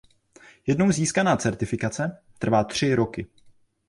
Jednou získaná certifikace trvá tři roky.